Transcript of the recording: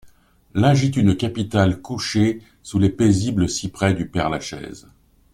Là gît une capitale couchée sous les paisibles cyprès du Père-Lachaise.